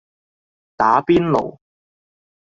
打邊爐